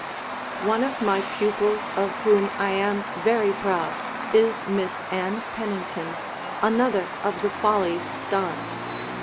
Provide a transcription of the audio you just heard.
One of my pupils of whom I am very proud is Miss Ann Pennington, another of the "Follies" stars.